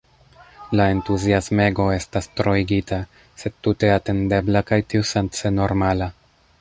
La entuziasmego estas troigita, sed tute atendebla kaj tiusence normala.